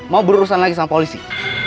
mau berurusan lagi sama polisi